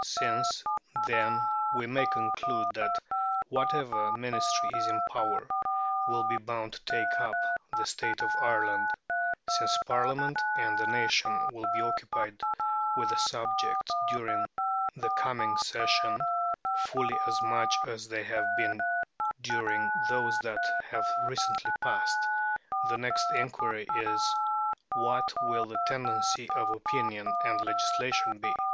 Since, then, we may conclude that whatever Ministry is in power will be bound to take up the state of Ireland since Parliament and the nation will be occupied with the subject during the coming sessions fully as much as they have been during those that have recently passed the next inquiry is, What will the tendency of opinion and legislation be?